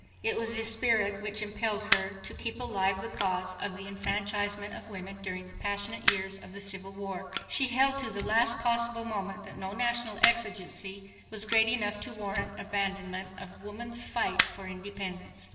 It was this spirit which impelled her to keep alive the cause of the enfranchisement of women during the passionate years of the Civil War. She held to the last possible moment that no national exigency was great enough to warrant abandonment of woman's fight for independence.